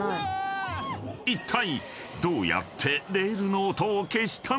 ［いったい］